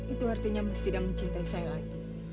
itu artinya mesti tidak mencintai saya lagi